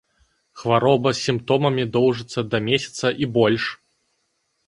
Хвароба з сімптомамі доўжыцца да месяца і больш.